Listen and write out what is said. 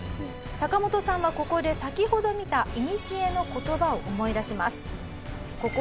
サカモトさんはここで先ほど見たいにしえの言葉を思い出します。